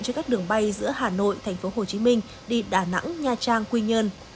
cho các đường bay giữa hà nội tp hcm đi đà nẵng nha trang quy nhơn